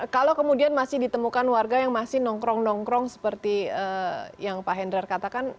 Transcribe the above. kalau kemudian masih ditemukan warga yang masih nongkrong nongkrong seperti yang pak hendrar katakan